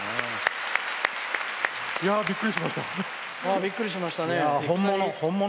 びっくりしました。